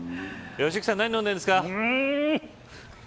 良幸さん何飲んでるんですか。